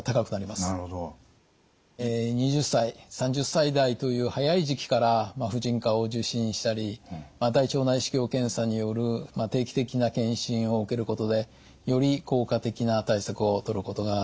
２０歳３０歳代という早い時期から婦人科を受診したり大腸内視鏡検査による定期的な検診を受けることでより効果的な対策をとることができます。